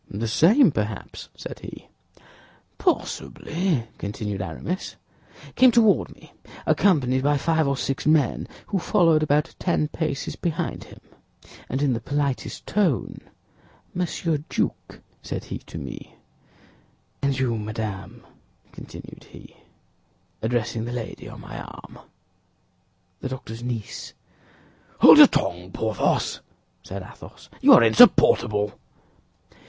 "The same, perhaps," said he. "Possibly," continued Aramis, "came toward me, accompanied by five or six men who followed about ten paces behind him; and in the politest tone, 'Monsieur Duke,' said he to me, 'and you madame,' continued he, addressing the lady on my arm—" "The doctor's niece?" "Hold your tongue, Porthos," said Athos; "you are insupportable."